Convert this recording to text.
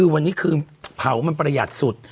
วันนี้เขาที่เผามันประหยัดสุด